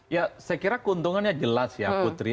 ya saya kira keuntungannya jelas ya putri